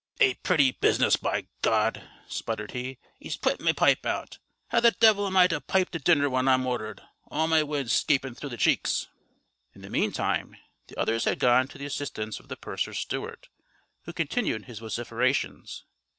"A pretty business, by God!" sputtered he. "He's put my pipe out. How the devil am I to pipe to dinner when I'm ordered, all my wind 'scaping through the cheeks?" In the meantime, the others had gone to the assistance of the purser's steward, who continued his vociferations.